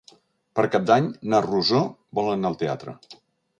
Per Cap d'Any na Rosó vol anar al teatre.